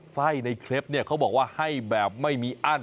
ไส้ในคลิปเนี่ยเขาบอกว่าให้แบบไม่มีอั้น